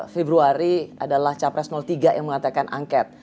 sembilan belas februari adalah capres tiga yang mengatakan angkat